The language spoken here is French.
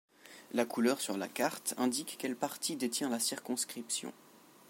La couleur sur la carte indique quel parti détient la circonscription.